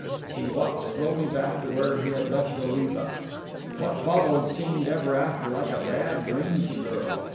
He walked slowly back to where he had left Oliva. What followed seemed ever after like a bad dream to the girl.